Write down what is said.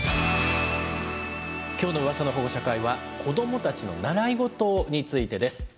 今日の「ウワサの保護者会」は子どもたちの「習い事」についてです。